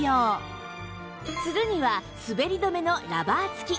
ツルには滑り止めのラバー付き